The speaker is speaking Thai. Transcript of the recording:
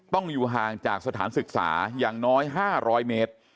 ต้องอยู่ห่างจากสถานศึกษาอย่างน้อย๕๐๐เมตร